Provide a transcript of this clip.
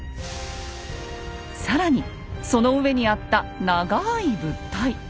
更にその上にあった長い物体。